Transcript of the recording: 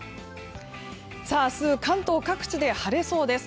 明日、関東各地で晴れそうです。